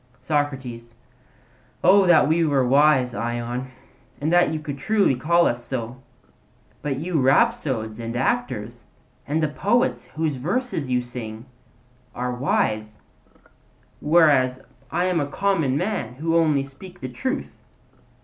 SOCRATES: O that we were wise, Ion, and that you could truly call us so; but you rhapsodes and actors, and the poets whose verses you sing, are wise; whereas I am a common man, who only speak the truth.